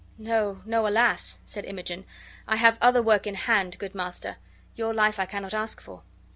"No, no, alas!" said Imogen. "I have other work in hand, good master. Your life I cannot ask for."